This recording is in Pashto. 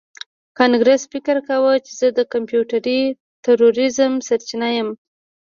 کانګرس فکر کاوه چې زه د کمپیوټري تروریزم سرچینه یم